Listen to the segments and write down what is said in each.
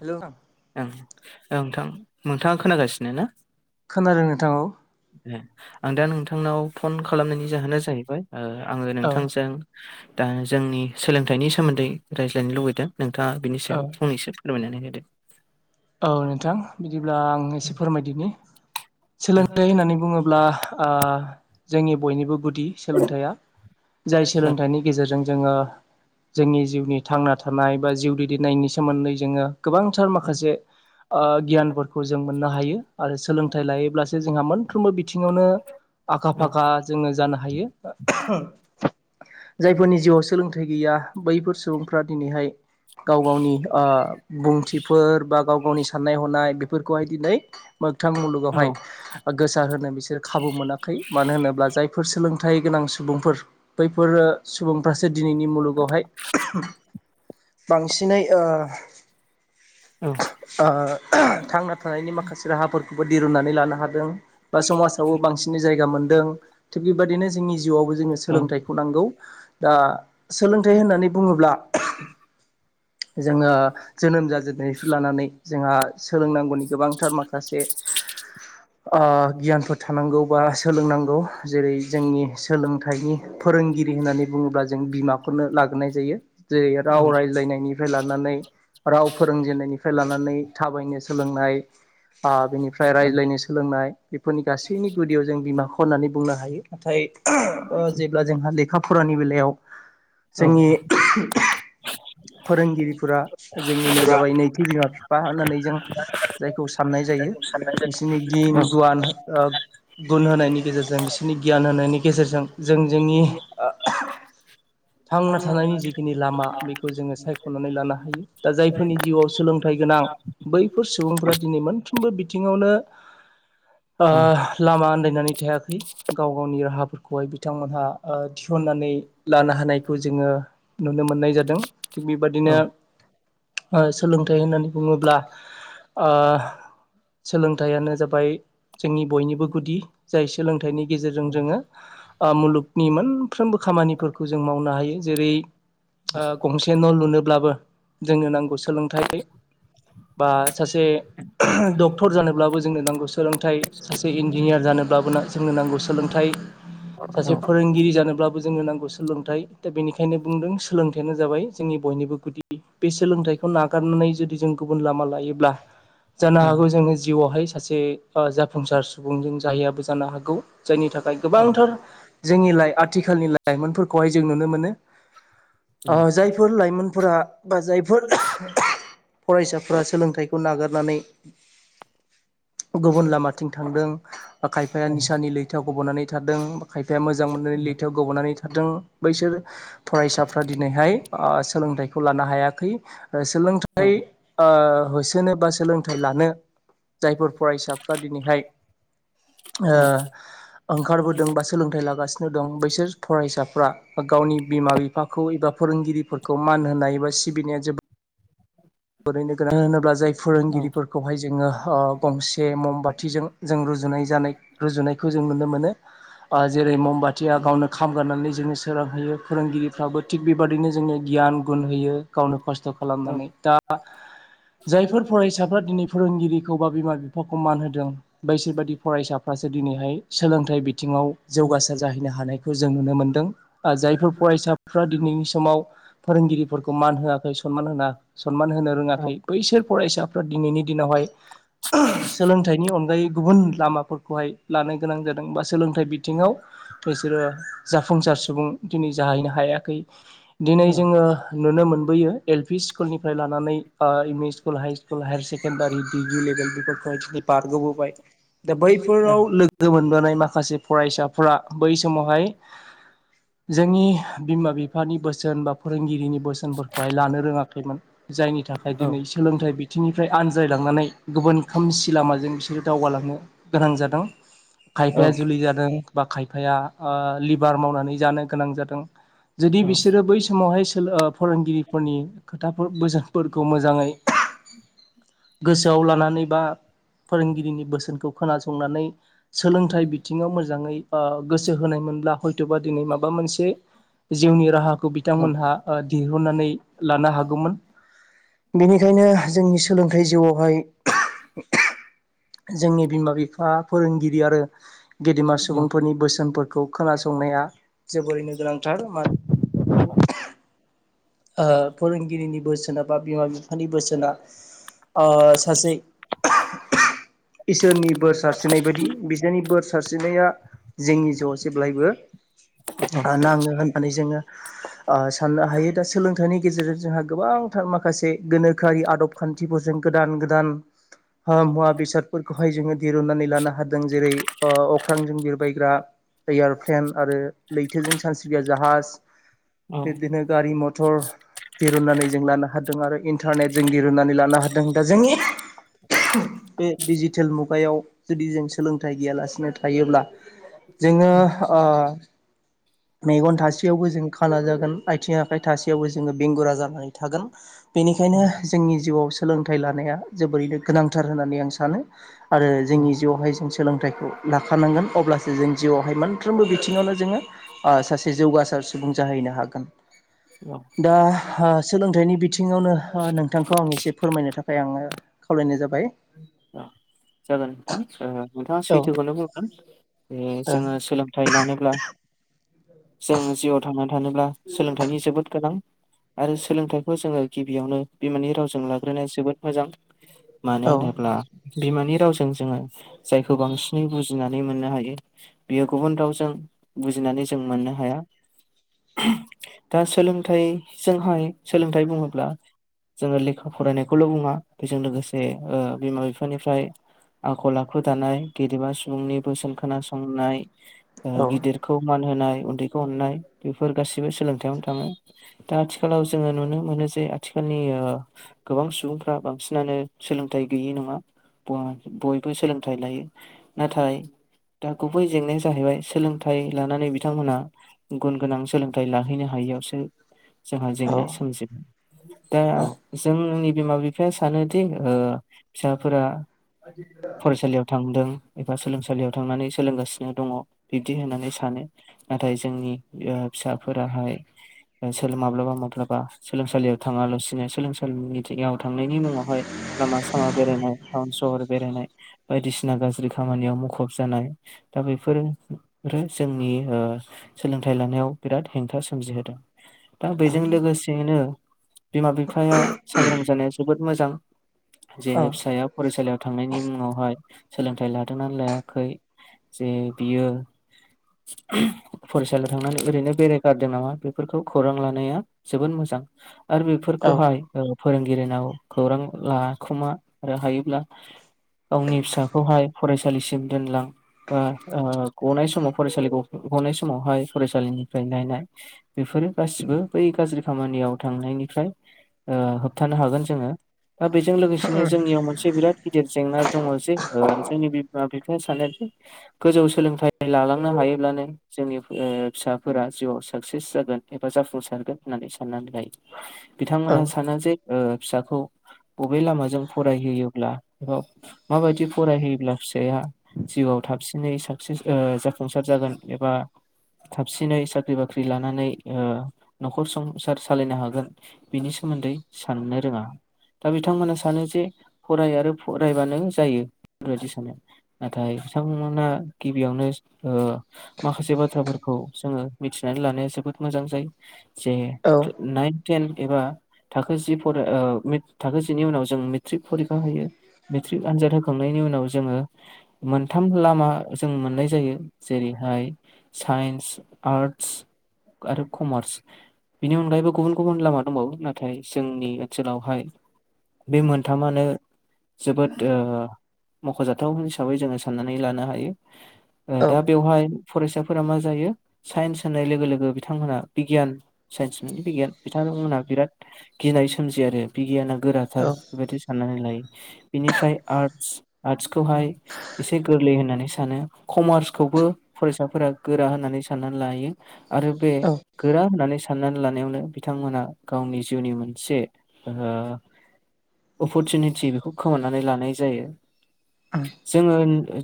हेल' नोंथां ओं ओं नोंथां नोंथाङा खोनागासिनो ना खोनादों नोंथां औ ए औ दा जोंनि सोलोंथाइनि सोमोन्दै रायज्लायनो लुबैदों नोंथाङा बिनि औ सायाव फंनैसो फोरमायनानै होदो औ नोंथां बिदिब्ला आं एसे फोरमायदिनि औ सोलोंथाइ होननानै बुङोब्ला जोंनि बयनिबो गुदि सोलोंथाइया जाय औ सोलोंथाइनि गेजेरजों जोङो जोंनि जिउनि थांना थानाय बा जिउ दैदेननायनि सोमोन्दै जोङो गोबांथार औ माखासे गियानफोरखौ जों मोननो हायो आरो सोलोंथाइ लायोब्लासो जोंहा मोनफ्रोमबो बिथिङावनो आखा फाखा जोङो जानो हायो जायफोरनि जिउआव सोलोंथाइ गैया बैफोर सुबुंफ्रा दिनैहाय गाव गावनि बुंथिफोर बा गाव गावनि साननाय हनाय बेफोरखौहाय दिनै मोगथां औ मुलुगावहाय गोसार होनो बिसोर खाबु मोनाखै मानो होनोब्ला जायफोर सोलों थाय गोनां सुबुंफोर बैफोरो सुबुंफ्रासो दिनैनि मुलुगावहाय बांसिनै थांना थानायनि माखासे राहाफोरखौबो दिरुननानै लानो हादों बा समाजावबो बांसिन जायगा मोन्दों थिग बेबादिनो जोंनि जिउआवबो जोङो औ सोलोंथाइखौ नांगौ दा सोलोंथाइ होननानै बुङोब्ला जोङो जोनोम जाजेननाय लानानै जोंहा सोलोंनांगौनि गोबांथार माखासे गियानफोर थानांगौ बा सोलोंनांगौ जेरै जोंनि सोलोंथाइनि फोरोंगिरि होननानै बुङोब्ला जों बिमाखौनो लाग्रोनाय जायो जेरै औ राव रायज्लायनायनिफ्राय लानानै राव फोरोंजेननायनि लानानै थाबायनो सोलोंनाय बेनिफ्राय औ रायज्लायनो सोलोंनाय बेफोरनि गासैनि गुदियाव जों बिमाखौ होननानै बुंनो हायो नाथाय जेब्ला जोंहा लेखा फरानि बेलायाव औ जोंनि फोरोंगिरिफोरा जोंनिनो फुरा जाबाय नैथि बिमा बिफा होननानै जों जायखौ साननाय जायो साननाय जायो बिसोरनि औ गिन गुवान आ गुन होनायनि गेजेरजों बिसोरनि गियान होनायनि गेजेरजों जों जोंनि थांना थानायनि जिखिनि लामा बेखौ जोङो सायख'नानै लानो हायो दा जायफोरनि जि सोलोंथाइ गोनां बैफोर सुबुंफोरा दिनै मोनफ्रोमबो बिथिङावनो औ लामा आन्दायनानै थायाखै गाव गावनि राहाफोरखौ गहाय बिथांमोनहा थिसननानै लानो हानायखौ जोङो नुनो मोननाय जादों थिग औ बेबादिनो सोलोंथाइ होननानै बुङोब्ला सोलोंथाइयानो जाबाय जोंनि बयनिबो गुदि जाय सोलोंथाइनि गेजेरजों जोङो मुलुगनि मोनफ्रोमबो खामानिफोरखौ जों मावनो हायो जेरै ओ गंसे न' लुनोब्लाबो जोंनो नांगौ सोलोंथाइ बा सासे डक्टर जानोब्लाबो जोंनो नांगौ सोलोंथाइ सासे इन्जिनियार जानो बाबो ना जोंनो नांगौ सोलोंथाइ औ सासे फोरोंगिरि जानोबबो जोंनो नांगौ सोलोंथाइ जोंङो नांगौ सोलोंथाइ दा बेनिखायनो बुंदों सोलों थायानो जाबाय जोंनि बयनिबो गुदि बे सोलोंथाइखौ नाग गारनानै जुदि जों गुबुन लामा लायोब्ला जानो हागौ जोङो जिउआवहाय सासे ओ जाफुंसार सुबुंजों जाहैयाबो जानो हागौ जायनि थाखाय गोबांथार जोंनि लाइ आथिखालनि लाइमोनफोरखौहाय जों नुनो मोनो ओ औ जायफोर लाइमोनफोरा बा जायफोर फरायसाफोरा सोलोंथाइखौ नागारनानै गुबुन लामाथिं थांदों खायफाया निसानि लैथा गब'नानै थादों खायफा फाया मोजां मोननानै लिथायाव गब'नानै थादों बैसोर फरायसाफ्रा दिनैहाय ओ सोलोंथाइखौ लानो हायाखै ओ सोलोंथाइ ओ होसोनो बा सोलोंथाइ लानो जायफोर फरायसाफ्रा दिनैहाय ओ ओंखारबोदों बा सोलोंथाइ लागासिनो दं बैसोर फरायसाफ्रा गावनि बिमा बिफाखौ एबा फोरोंगिरिफोरखौ मान होनाय एबा सिबिनाया जोबोद ओरैनो गोनां होनोब्ला जाय औ फोरोंगिरिफोरखौहाय जोङो गंसे मम बाथिजों जों रुजुनाय जानाय रुजुनायखौ जों नुनो मोनो ओ जेरै बाथिया गावनो खामगारनानै जोंनो सोरांहोयो फोरोंगिरिफ्राबो थिग बेबादिनो जोंङनो गियान गुन होयो गावनो खस्थ' खालामनानै दा जायफोर फरायसाफ्रा दिनै फोरोंगिरिखौ बा खौ मान होदों बैसोर बाददि फरायसाफ्रासो दिनैहाय सोलोंथाइ बिथिङाव जौगासार जाहैनो हानायखौ खौ जों नुनो मोन्दों जायफोर फरायसाफ्रा दिनैनि समाव फोरोंगिरिफोरखौ मान होआखै सनमान होनआ सनमान होनो रोङाखै बैसोर फरायसाफ्रा दिनैनि दिनावहाय सोलोंथाइनि अनगायै गुबुन लामाफोरखौहाय लानो गोनां जादों बा सोलोंथाइ बि बिसोरो जाफुंसार सुबुं दिनै जाहैनो हायाखै दिनै जोङो नुनो नो मोनबोयो एल पि स्कुल निफ्राय लानानै ओ M E school high school higher secondary degree level बेफोरखौ दिनै बारग'बोबाय दा बैफोराव लोगो मोनबोनाय माखासे फरायसाफोरा बै समावहाय जोंनि बिमा बिफानि बोसोन बा फोरोंगिरिनि बोसोनफोरखौहाय लानो रोङाखै मोन जायनि थाखाय दिनै सोलोंथाइ बिथिंनिफ्राय आनजायलांनानै गुबुन खोमसि लामाजों बिसोरो दावगालांनो गोनां जादों खायफाया जुलि जादों बा खायफाया ओ लिभार मावनानै जानो गोनां जादों जुदि बिसोरो बै समावहाय ओ फोरोंगिरिफोरनि खोथाफोर बोसोनफोरखौ मोजाङै गोसोआव लानानै बा औ फोरोंगिरिनि बोसोनखौ खोनासंनानै सोलोंथाइ बिथिङाव मोजाङै ओ गोसो होनायमोनब्ला हय थबा दिनै माबा मोनसे औ जिउनि राहाखौ औ बिथांमोनहा दिहुननानै थानो हागौमोन बेनिखायनो जोंनि सोलोंथाइ जिउआवहाय जोंनि बिमा बिफा फोरोंगिरि आरो गेदेमा सुबुंफोरनि बोसोनफोरखौ खोनासंनाया जोबोरैनो गोनांथार मा [unintelligible] ओ फोरोंगिरिनि बोसोना बा बिमा बिफानि बोसोना ओ सासे [unintelligible] इसोरनि बोर सारस्रिनाय बायदि बिसोरनि बोर सारस्रिनाया जोंनि जिउआव जेब्लायबो नाङो होननानै जोङो ओ साननो हायो दा सोलोंथाइनि गेजेरजों जोंहा गोबांथार माखासे गोनोखोआरि आदब खान्थिफोरजों गोदान गोदान मुवा बेसादफोरखौहाय जोङो दिरुननानै लानो हा जों जेरै अख्रांजों बिरबायग्रा एयारप्लेन आरो लैथोजों सानस्रिगया जाहाज औ बिब्दिनो गारि म थर दिरुननानै जों लानो हादों आरो इन्टारनेट जों दिरुननानै लानो हादों दा जोंनि बे डिजिटेल मुगायाव जुदि जों सोलोंथाइ गैयालासिनो थायोब्ला जोङो ओ मेगन थासेयावबो जों खाना जागोन आथिं आखाइ थासेयावबो जोङो बेंगुरा जानानै थागोन। औ बेनिखायनो जोंनि जिउआव सोलोंथाइ लानाया जोबोरैनो गोनांथार होननानै आं सानो। आरो जोंनि जिउआवहाय जों सोलोंथाइखौ लाखानांगोन अब्लासो जों जिउआवहाय मोनफ्रोमबो बिथिङावनो जोङो सासे जौगासार सुबुं जाहैनो हागोन। दा सोलोंथाइनि बिथिङावनो नोंथांखौ आं एसे फोरमायनो थाखाय आङो खावलायनाय जाबाय औ जागोन नोंथां नोंथाङा औ सैथोखौनो बुंगोन जे जोङो सोलोंथाइ लानो ब्ला जों जिउआव थांनानै थानोब्ला सोलोंथाइनि जोबोद गोनां आरो सोलोंथाइखौ जोङो गिबियावनो बिमानि रावजों लाग्रोनाया जोबोद मोजां मानो ओ औ होनोब्ला बिमानि रावजों जोङो जायखौ बांसिनै बुजिनानै मोननो हायो बेयो गुबुन रावजों बु जायनानै जों मोननो हाया। दा सोलोंथाइजोंहाय सोलोंथाइ बुङोब्ला जोङो लेखा फरायनायखौल' बुङा बेजों लोगोसे बिमा बिफानिफ्राय आखल आखु दानाय गेदेमा सुबुंनि बोसोन खोनासंनाय औ गिदिरखौ मान होनाय उन्दैखौ अननाय बेफोर गासिबो सोलोंथाययावनो थाङो दा आथिखालाव जोङो नुनो मोनो जे आथिखाल नि गोबां सुबुंफ्रा बांसिन नानो सोलोंथाइ गैयि नङा बयबो सोलोंथाइ लायो नाथाय दा गुबै जेंनाया जाहैबाय सोलोंथाइ लानानै बिथांमोनहा गुन गोनां सोलोंथाइ लाहैनो हा यैआवसो जों जेंना औ सोमजिबाय दा औ जोंनि बिमा-बिफाया सानोदि ओ फिसाफोरा फरायसालियाव थांदों एबा सोलोंसालियाव थांनानै सोलोंगासिनो दङ बिब्दि होननानै सानो नाथाय जोंनि फिसाफोराहाय बेसोर माब्लाबा माब्लाबा सोलोंसालियाव थाङालासिनो सोलोंसालिनि [unintelligible] थांनाय नि मुङावहाय लामा सामा बेरायनाय टाउन सहर बेरायनाय बायदिसिना गाज्रि खामानियाव मुखुब जानाय दा बेफोर जोंनि सोलोंथाइ लानायाव बिराद हेंथा सोमजिहोदों दा बेजों लोगोसेयैनो बिमा बिफाया सांग्रां जानाय। जोबोद मोजां जे फिसाया फरायसालियाव थांनायनि मुङावहाय। सोलोंथाइ लादोंना लायाखै जे बियो। फरायसालियाव थांनानै ओरैनो बेरायगारदों नामा बेफोरखौ खौरां लानाया जोबोद मो जां आरो बेफोरखौहाय औ फोरोंगिरिनाव खौरां लाखुमा आरो हायोब्ला। गावनि फिसाखौहाय फरायसालिसिम दोनलां बा गनाय समाव। फरायसालि गनाय समावहाय फरायसालिनिफ्राय नायनाय बेफोरो गासिबो बै गाज्रि खामानि याव थांनायनिफ्राय ओ होबथानो हागोन जोङो। दा बेजों लोगोसेनो जोंनियाव मोनसे बिराद गिदिर जेंना दङ जे जोंनि बिमा बिफाया सानो। गोजौ सोलोंथाइ लालांनो हायोब्लानो जोंनि फिसाफोरा जिउआव साक्सेस जायो। जागोनथाइ [unintelligible] एबा जाफुंसारगोन होननानै साननानै लायो औ बिथांमोना सानो जे फिसाखौ। बबे लामाजों फरायहोयोब्ला एबा माबायदि फरायहोयोब्ला फिसाया। जिउआव थाबसिनै साबसि जाफुंसार जागोन एबा। थाबसिनै साख्रि बाख्रि लानानै न'खर संसार सालायनो हागोन बिनि सो मोन्दै साननो रोङा। दा बिथांमोना सानो जे फराय आरो फरायबानो जायो बेफोरबायदि सानो नाथाय बिथांमोना गिबियावनो ओ माखासे बाथ्राफोरखौ जोङो मिथिनानै लानाया जोब मोजां जायो जे औ नाइन थेन एबा थाखोजि। थाखोसेनि उनाव जों मेट्रिक फरिखा होयो मेट्रिक आनजाद होखांनायनि उनाव जोङो। मोनथाम लामा जों मोननाय जायो जेरैहाय साइन्स आर्टस आर्स आरो कमार्स बिनि अनगायैबो गुबुन गुबुन लामा दंबावो नाथाय जोंनि। ओनसोलावहाय बे मोनथामानो जोबोद ओ मख'जाथाव हिसाबै जोङो साननानै लानो हायो ओ दा बेवहाय फरायसाफोरा मा जायो साइन्स होननाय लोगो लोगो बिथांमोनहा बिगियान साइन्स बिगियान बिथां थांथमोना बिराद गिनाय सोमजियो आरो बिगियाना गोराथार बेबायदि साननानै लायो। बिनिफ्राय आर्ट आर्टसखौहाय एसे गोरलै होननानै सानो कमार्सखौ। बो फरायसाफोरा गोरा होननानै साननानै लायो। आरो बे औ गोरा होननानै साननानै लानायावनो बिथांमोनहा गावनि जिउनि मोनसे। ओ अपरसुनिटि बेखौ खोमनानै लानाय जायो। जोङो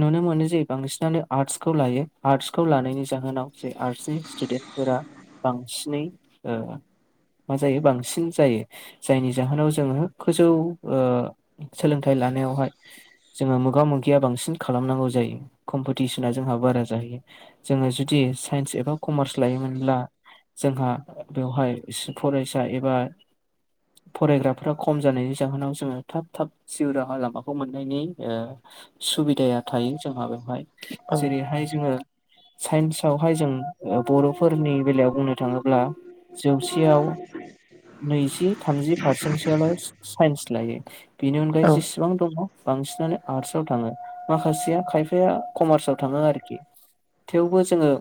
नुनो मोनो जे बांसिनानो आर्टसखौ लायो आर्टसखौ लानायनि जाहोनाव आर्ट्सनि स्टुडेन्टफोरा बांसिनै ओ। मा जायो बांसिन जायो जायनि जाहोनाव जोङो गोजौ ओ सोलोंथाइ लानायावहाय जोङो। मोगा मोगिया बांसिन खालामनांगौ जायो कम्पिटिसना जोंहा बारा जायो जोङो जुदि सस एबा कमार्स लायोमोनब्ला जोंहा बेवहाय फरायसा एबा [inaudible] फरायग्राफ्रा खम जानायनि जाहोनाव जोङो थाब थाब जिउ राहा लामाखौ मोननायनि ओ। सुबिदाया थायो जोंहा बेवहाय औ जेरैहाय जोङो। साइन्सयावहाय जों बर'फोरनि बेलायाव बुंनो थाङोब्ला जौसेयाव नैजि थामजि पारसेन्टसोल' साइन्स लायो बेनि अनगायै औ जेसेबां दङ बांसिन माने आर्टसयाव थाङो माखासेया खायफाया कमार्सयाव थाङो आरोखि थेवबो जोङो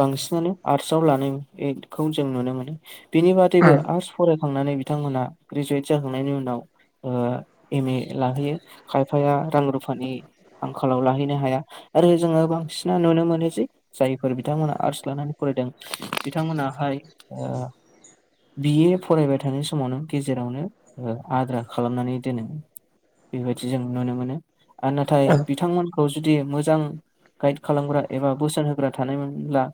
बांसिनानो आर्टसयाव लानाय एथ [unintelligible] जों नुनो मोनो बेनि बादि सैबो आर्ट्स फरायखांनानै बिथांमोनहा ग्रेजुवेट जाखांनायनि उनाव ओ एम ए लाहैयो खायफाया रां रुफानि आंखालाव लाहैनो हाया आरो जोङो बांसिना नुनो मोनो जे जायफोर बिथांमोना आर्टस लानानै फराय दों बिथांमोनाहाय ओ बि ए फरायबाय थानाय समावनो गेजेरावनो आद्रा खालामनानै दोनो बेबायदि जों नुनो मोनो आरो नाथाय बिथांमोनखौ जुदि मोजां गाइड खालामग्रा एबा बोसोन होग्रा थानायमोनब्ला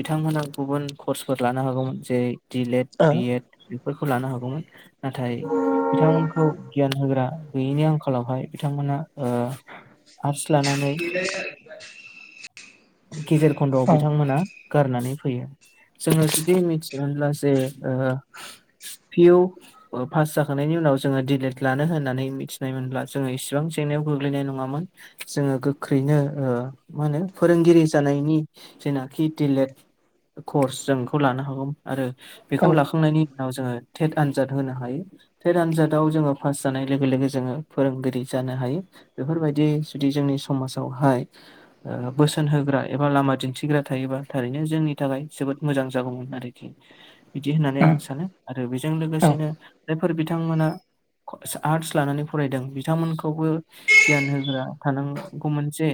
बिथांमोनहा गुबुन कर्सफोर लानो हागौमोन जेरै डिलेएड बिएड फोरखौ लानो हागौमोन नाथाय बिथांमोनखौ गियान होग्रा गैयिनि आंखालावहाय बिथांमोन ओ आर्टस लानानै बस [unintelligible] गेजेर खनद'याव बिथांमोना गारनानै फैयो जोङो जुदि मिथियोमोनब्ला जे पि इउ पास जाखांनायनि उनाव उनाव जोङो दिलेट लानो होननै मिथिनाय मोनब्ला जोङो इसेबां जेंनायाव गोग्लैनाय नङामोन जोङो गोख्रैनो मा होनो फोरोंगिरि जानायनि जेनाखि दिलेट कर्स जों बेखौ लानो हागौ आरो औ बेखौ लाखांनायनि उनाव जोङो टेट आनजाद होनो हायो थेद आनजादाव जोङो पास जानाय लोगो लोगो जोङो फोरोंगिरि जानो हायो बेफोरबायदि जुदि जोंनि समाजावहाय ओ बोसोन होग्रा एबा लामा दिनथिग्रा थायोबा थारैनो जोंनि थाखाय जोबोद मोजां जागौमोन आरोखि बिदि होननानै औ आं सानो आरो बेजों औ लोगोसेनो जायफोर बिथांमोना आर्टस लानानै फरायदों बिथांमोनखौबो गियान होग्रा थानांगौ मोनसे